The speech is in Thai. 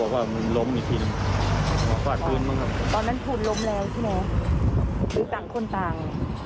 ตอนนั้นทูลล้มแล้วใช่ไหมหรือกับคนต่าง